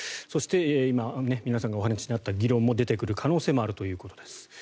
そして、今皆さんがお話にあった議論も出てくる可能性もあるということです。